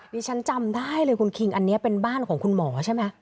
ดิฉันจำได้เลยคุณคิงอันนี้เป็นบ้านของคุณหมอใช่ไหม